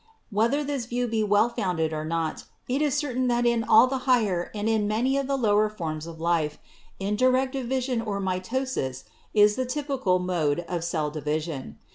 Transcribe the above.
Whether this view be well founded or not, it is certain that in all the higher and in many of the lower forms of life, indirect division or mitosis is the typical mode of cell division.